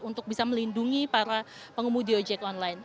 untuk bisa melindungi para pengemudi ojek online